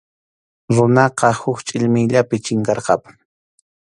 Runaqa huk chʼillmiyllapi chinkarqapun.